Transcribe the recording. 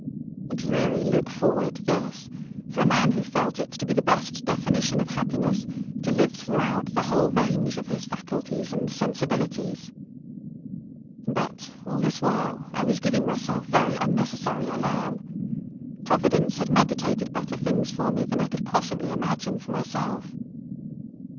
A dreary look forward, this, for a man who felt it to be the best definition of happiness to live throughout the whole range of his faculties and sensibilities. But, all this while, I was giving myself very unnecessary alarm. Providence had meditated better things for me than I could possibly imagine for myself.